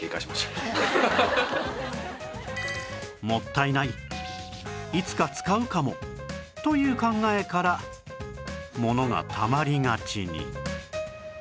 「もったいない」「いつか使うかも」という考えからものがたまりがちに